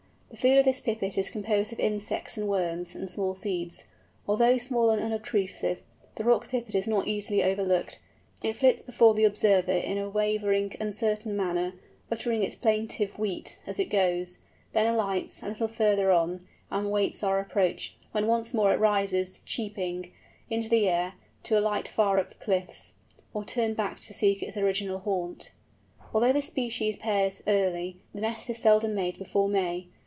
The food of this Pipit is composed of insects, and worms, and small seeds. Although small and unobtrusive, the Rock Pipit is not easily overlooked. It flits before the observer in a wavering, uncertain manner, uttering its plaintive weet as it goes; then alights a little further on, and waits our approach, when once more it rises, cheeping, into the air, to alight far up the cliffs, or turn back to seek its original haunt. Although this species pairs early, the nest is seldom made before May.